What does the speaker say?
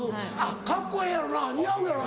カッコええやろな似合うやろな。